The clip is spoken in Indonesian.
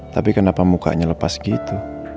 tapi kenapa mukanya lepas gitu